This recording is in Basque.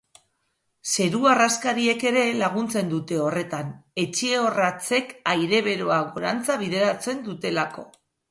Zeru-harraskariek ere laguntzen dute horretan, etxe orratzek aire beroa gorantza bideratzen dutelako.